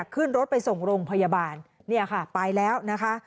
ขึ้นรถไปส่งโรงพยาบาลเนี่ยค่ะไปแล้วนะคะ